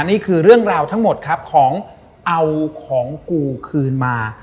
นี่คือเรื่องราวทั้งหมดครับของเอาของกูคืนมา